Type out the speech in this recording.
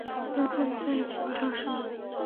究竟在寻找什么